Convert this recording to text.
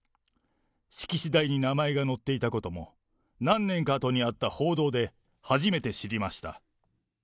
式次第に名前が載っていたことも、何年かあとにあった報道で初めて知りました。